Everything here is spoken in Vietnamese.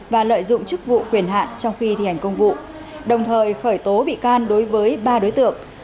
và lợi dụng chức vụ quyền hạn trong khi thi hành công vụ đồng thời khởi tố bị can đối với ba đối tượng